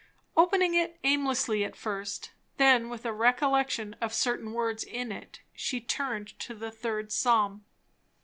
Opening it aimlessly at first; then with a recollection of certain words in it, she turned to the third psalm.